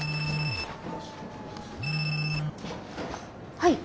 はい。